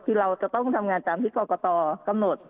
คือเราจะต้องทำงานตามที่กรกตกำหนด